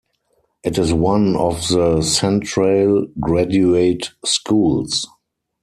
It is one of the Centrale Graduate Schools.